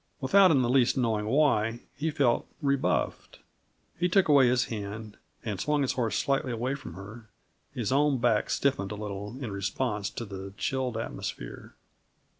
Without in the least knowing why he felt rebuffed, he took away his hand, and swung his horse slightly away from her; his own back stiffened a little in response to the chilled atmosphere.